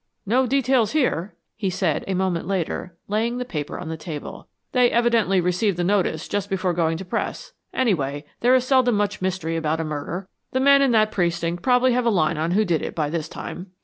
"No details here," he said, a moment later, laying the paper on the table. "They evidently received the notice just before going to press. Anyway, there is seldom much mystery about a murder. The men in that precinct probably have a line on who did it by this time."